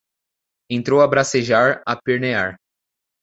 entrou a bracejar, a pernear